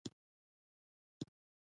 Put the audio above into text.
د بیان ازادي حق دی